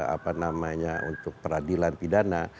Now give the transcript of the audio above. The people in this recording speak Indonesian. apa namanya untuk peradilan pidana